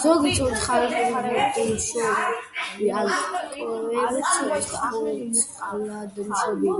ზოგი ცოცხლადმშობი ან კვერცხცოცხლადმშობია.